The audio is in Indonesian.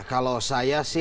kalau saya sih